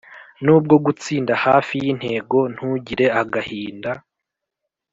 nubwo gutsinda hafi yintego, ntugire agahinda;